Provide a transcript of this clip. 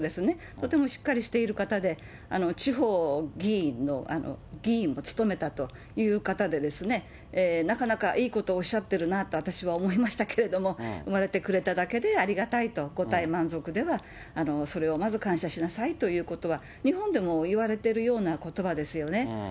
とてもしっかりしている方で、地方議員の議員を務めたという方でですね、なかなかいいことおっしゃってるなと私は思いましたけれども、生まれてくれただけでありがたいと、五体満足では、それをまず感謝しなさいということは、日本でも言われてるようなことばですよね。